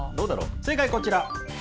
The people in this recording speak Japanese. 正解はこちら。